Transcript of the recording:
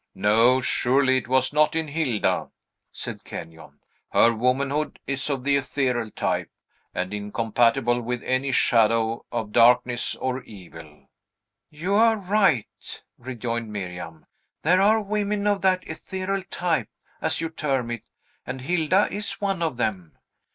"No, surely, it was not in Hilda," said Kenyon. "Her womanhood is of the ethereal type, and incompatible with any shadow of darkness or evil." "You are right," rejoined Miriam; "there are women of that ethereal type, as you term it, and Hilda is one of them.